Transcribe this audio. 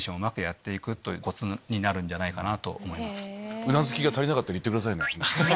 うなずきが足りなかったら言ってくださいね。